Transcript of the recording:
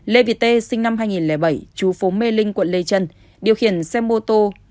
lê vị tê sinh năm hai nghìn bảy chú phố mê linh quận lê trân điều khiển xe mô tô một mươi năm b ba trăm bốn mươi sáu nghìn sáu trăm linh